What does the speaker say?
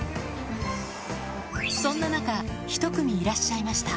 そんな中１組いらっしゃいました